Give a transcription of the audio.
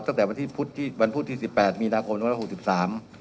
ตั้งแต่วันพุธที่๑๘มีนาคม๑๙๖๓